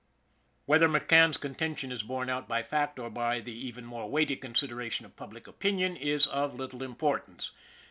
Whether McCann's contention is borne out by fact, or by the even more weighty consideration of public opinion, is of little importance.